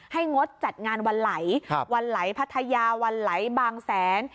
งดจัดงานวันไหลวันไหลพัทยาวันไหลบางแสน